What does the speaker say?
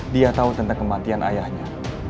dia tahu tentang kematian ayahnya